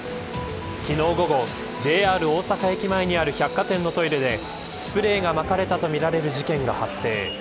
昨日午後ＪＲ大阪駅前にある百貨店のトイレでスプレーがまかれたとみられる事件が発生。